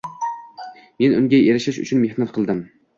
Men unga erishish uchun mehnat qildim